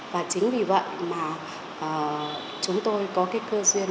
và chính vì vậy mà chúng tôi có cái cơ duyên